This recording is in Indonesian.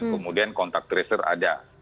kemudian contact tracer ada